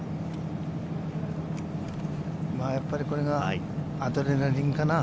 やっぱりこれがアドレナリンかな。